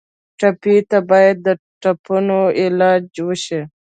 ټپي ته باید د ټپونو علاج وشي.